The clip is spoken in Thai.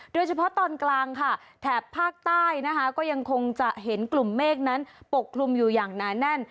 โดยเฉพาะตอนกลางค่ะแถบภาคใต้นะคะก็ยังคงจะเห็นกลุ่มเมฆนั้นปกคลุมอยู่อย่างหนาแน่น